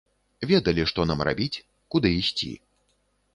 Ведалі, што нам рабіць, куды ісці.